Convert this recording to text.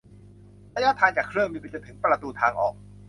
ระยะทางจากเครื่องบินไปจนถึงประตูทางออก